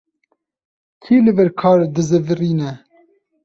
Kî li vir kar dizîvirîne?